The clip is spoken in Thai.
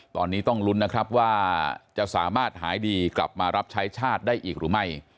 ตอนนี้ต้องลุ้นนะครับว่าจะสามารถหายดีกลับมารับใช้ชาติได้อีกหรือไม่